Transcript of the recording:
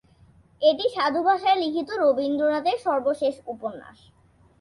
এটি সাধুভাষায় লিখিত রবীন্দ্রনাথের সর্বশেষ উপন্যাস।